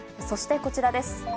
そしてこちらです。